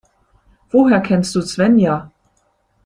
Woher kennst du Svenja?